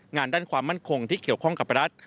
งานด้านความมั่นคงที่เกี่ยวข้องกับรัฐ